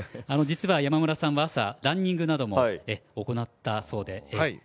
山村さんは朝ランニングなども行ったようで。